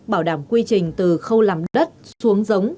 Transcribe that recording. bảo đảm quy trình từ khâu làm đất xuống giống